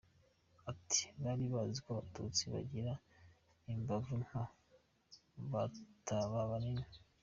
Ati “Bari bazi ko abatutsi bagira imbavu nto, bataba banini.